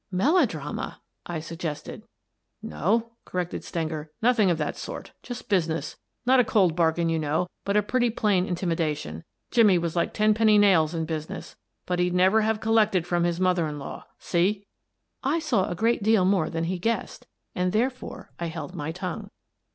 " Melodrama !" I suggested. "No," corrected Stenger, — "nothing of that sort. Just business. Not a cold bargain, you know, but a pretty plain intimation. Jimmie was like ten penny nails in business, but he'd never have col lected from his mother in law. See?" I saw a great deal more than he guessed, and, therefore, I held my tongue.